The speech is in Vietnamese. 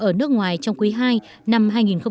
ở nước ngoài trong quý ii năm hai nghìn một mươi tám